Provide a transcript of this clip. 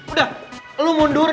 udah lu mundur